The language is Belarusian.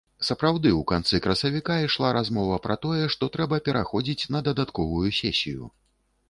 Сапраўды, у канцы красавіка ішла размова пра тое, што трэба пераходзіць на дадатковую сесію.